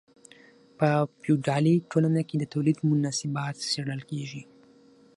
په فیوډالي ټولنه کې د تولید مناسبات څیړل کیږي.